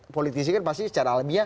politisi kan pasti secara alamiah